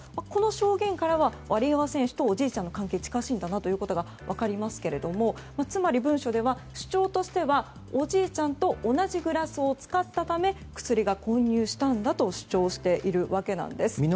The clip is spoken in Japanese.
この証言からはワリエワ選手とおじいちゃんの関係が近しいんだなというのが分かりますがつまり、文書では主張としてはおじいちゃんと同じグラスを使ったため薬が混入したんだと主張しているわけなんです。